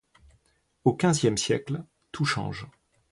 Au quinzième siècle tout change.